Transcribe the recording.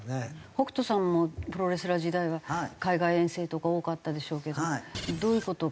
北斗さんもプロレスラー時代は海外遠征とか多かったでしょうけどどういう事が。